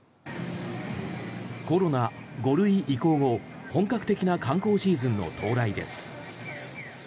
コロナ５類移行後本格的な観光シーズンの到来です。